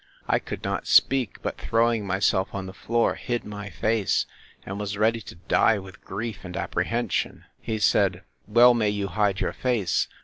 I could not speak; but throwing myself on the floor, hid my face, and was ready to die with grief and apprehension.—He said, Well may you hide your face!